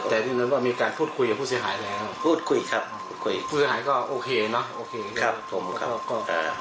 แต่ที่นั้นว่ามีการพูดคุยกับผู้เสียหายแล้วพูดคุยครับพูดคุยผู้เสียหายก็โอเคเนอะโอเคครับผมก็อ่า